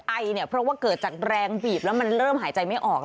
ไอเนี่ยเพราะว่าเกิดจากแรงบีบแล้วมันเริ่มหายใจไม่ออก